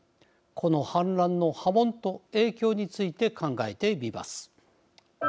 この反乱の波紋と影響について考えてみます。